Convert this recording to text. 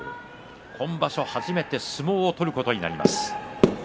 今場所、初めて相撲を取ることになります。